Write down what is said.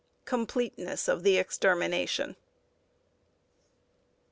V. COMPLETENESS OF THE EXTERMINATION.